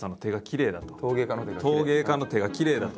陶芸家の手がきれいだと。